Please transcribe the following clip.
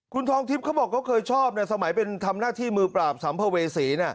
คุณทองทิพย์เขาบอกเขาเคยชอบสมัยเป็นทำหน้าที่มือปราบสัมภเวษี